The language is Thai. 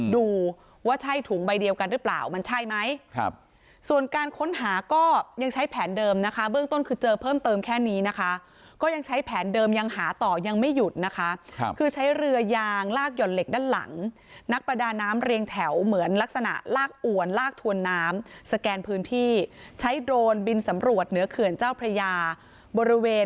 ดูว่าใช่ถุงใบเดียวกันหรือเปล่ามันใช่ไหมครับส่วนการค้นหาก็ยังใช้แผนเดิมนะคะเบื้องต้นคือเจอเพิ่มเติมแค่นี้นะคะก็ยังใช้แผนเดิมยังหาต่อยังไม่หยุดนะคะคือใช้เรือยางลากห่อนเหล็กด้านหลังนักประดาน้ำเรียงแถวเหมือนลักษณะลากอวนลากถวนน้ำสแกนพื้นที่ใช้โดรนบินสำรวจเหนือเขื่อนเจ้าพระยาบริเวณ